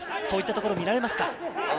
そういったところは見られますか？